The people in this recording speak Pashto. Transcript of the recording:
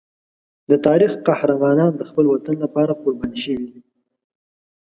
د تاریخ قهرمانان د خپل وطن لپاره قربان شوي دي.